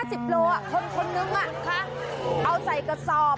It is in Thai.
๕๐กิโลกรัมคนหนึ่งเอาใส่กระซอม